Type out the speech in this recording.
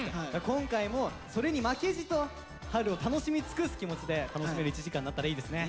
今回もそれに負けじと春を楽しみ尽くす気持ちで楽しめる１時間になったらいいですね。